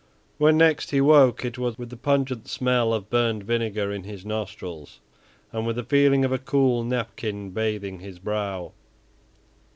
When next he woke it was with the pungent smell of burned vinegar in his nostrils and with the feeling of a cool napkin bathing his brow.